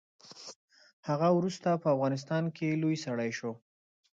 هغه وروسته په افغانستان کې لوی سړی شو.